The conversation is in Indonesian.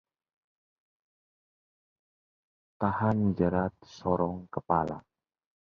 Tahan jerat sorong kepala